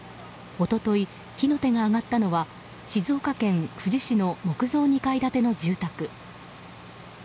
一昨日、火の手が上がったのは静岡県富士市の木造２階建ての住宅。